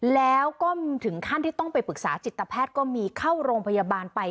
แล้วก็ถึงขั้นที่ต้องไปปรึกษาจิตแพทย์ก็มีเข้าโรงพยาบาลไป